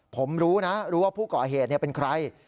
ผมรู้นะรู้ว่าผู้ก่อเหตุเป็นใคร